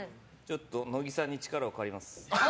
乃木さんに力を借ります。